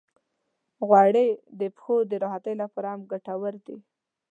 غوړې د پښو د راحتۍ لپاره هم ګټورې دي.